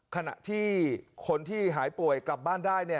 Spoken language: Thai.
ขณะที่คนที่หายป่วยกลับบ้านได้